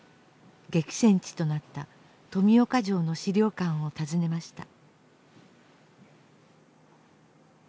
激戦地となった富岡城の資料館を訪ねました。